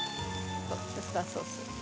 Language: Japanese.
ウスターソース。